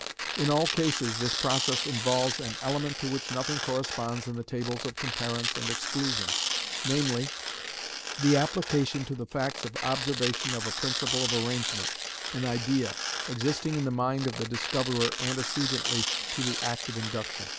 In all cases this process involves an element to which nothing corresponds in the Tables of 'Comparence' and 'Exclusion,' namely, the application to the facts of observation of a principle of arrangement, an idea, existing in the mind of the discoverer antecedently to the act of induction.